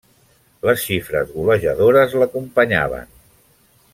Les xifres golejadores l'acompanyaven.